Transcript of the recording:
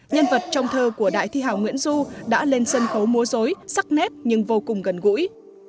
nhân vật trong thơ của đại thi hảo nguyễn du đã lên sân khấu múa rối sắc nét nhưng vô cùng gần gũi